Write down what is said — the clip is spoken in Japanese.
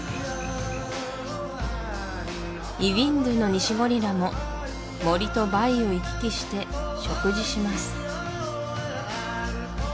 イヴィンドゥのニシゴリラも森とバイを行き来して食事します